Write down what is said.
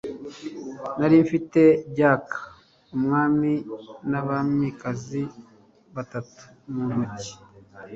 Nari mfite jack, umwami n'abamikazi batatu mu ntoki.